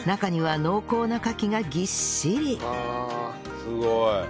すごい。